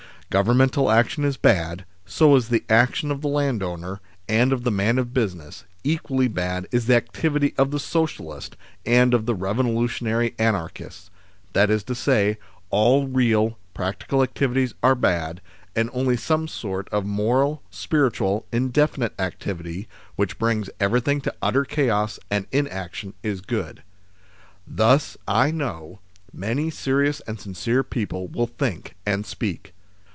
" Governmental action is bad, so is the action of the landowner, and of the man of business ; equally bad is the activity of the socialist, and of the revolutionary anarchists ; that is to say, all real, practical activities are bad, and only some sort of moral, spiritual, indefinite activity, which brings everything to utter chaos and inaction, is good." Thus, I know, many serious and sincere people will think and speak